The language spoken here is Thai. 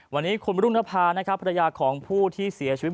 วันนี้คุณรุ่งนภานะครับภรรยาของผู้ที่เสียชีวิต